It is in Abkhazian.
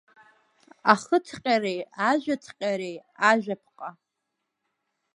Ахыҭҟьареи ажәаҭҟьареи Ажәаԥҟа.